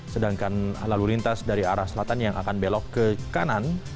sedangkan lalu lintas dari arah selatan yang akan belok ke kanan